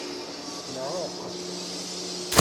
Mɛuqq.